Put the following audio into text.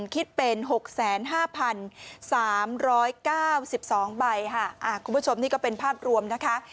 คิดเป็น๖๕๓๙๒ใบค่ะคุณผู้ชมนี่ก็เป็นภาพรวมนะคะ